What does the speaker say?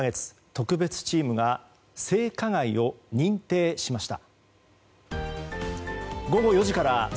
特別チームが性加害を認定しました。